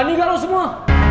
berani gak lo semua